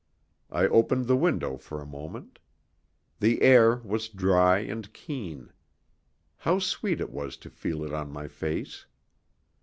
I opened the window for a moment. The air was dry and keen. How sweet it was to feel it on my face!